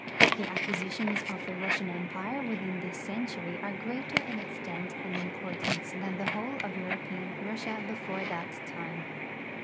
The acquisitions of the Russian Empire within this centuiy are greater in extent and importance than the whole of European Russia before that time.